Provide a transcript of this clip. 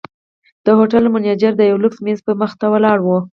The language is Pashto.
د هوټل منیجر د یوه لوکس میز مخې ته ولاړ و.